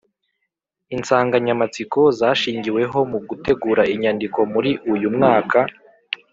Insanganyamatsiko zashingiweho mu gutegura imyandiko muri uyu mwaka